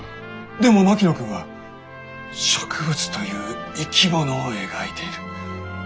でも槙野君は植物という生き物を描いている。